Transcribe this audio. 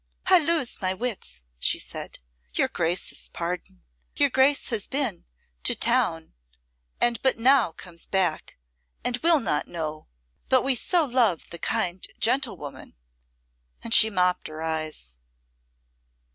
"I lose my wits," she said; "your Grace's pardon. Your Grace has been, to town and but now comes back, and will not know. But we so love the kind gentlewoman " and she mopped her eyes.